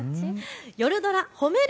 夜ドラ、褒める